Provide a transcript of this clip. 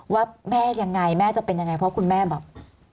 ว่าแม่ยังไงแม่จะเป็นยังไงเพราะคุณแม่แบบ